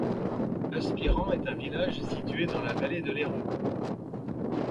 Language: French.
Aspiran est un village situé dans la Vallée de l’Hérault.